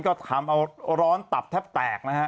ก็ทำเอาร้อนตับแทบแตกนะฮะ